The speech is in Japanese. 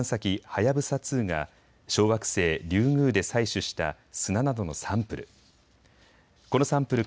はやぶさ２が小惑星リュウグウで採取した砂などのサンプル。